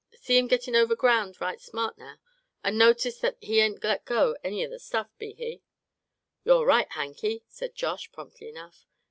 See him gittin' over ground right smart now, and notice thet he ain't let go any o' the stuff, be he?" "You're right, Hanky," said Josh, promptly enough.